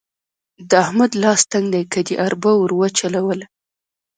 د احمد لاس تنګ دی؛ که دې اربه ور وچلوله.